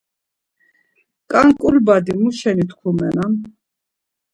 Ǩanǩul badi muşeni tkumenan?